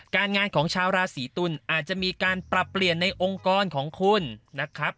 การงานของชาวราศีตุลอาจจะมีการปรับเปลี่ยนในองค์กรของคุณนะครับ